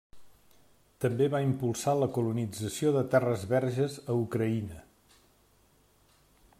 També va impulsar la colonització de terres verges a Ucraïna.